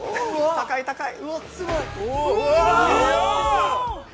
高い高い。